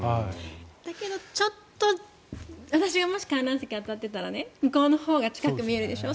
だけどちょっと私がもし観覧席に当たっていたら向こうのほうが近くに見えるでしょ。